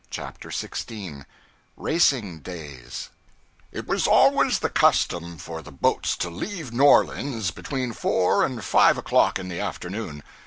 CHAPTER 16 Racing Days IT was always the custom for the boats to leave New Orleans between four and five o'clock in the afternoon.